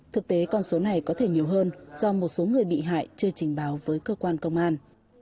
thực tế con số này có thể nhiều hơn do một số người bị hại chưa trình báo với cơ quan công an